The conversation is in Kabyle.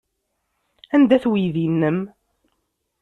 Anda-t weydi-nnem?